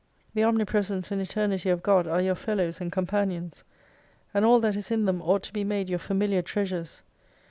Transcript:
The Omnipresence and Eternity of God are your fellows and companions. And all that is in them ought to be made your familiar Treasures.